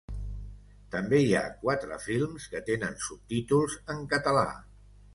També hi ha quatre films que tenen subtítols en català.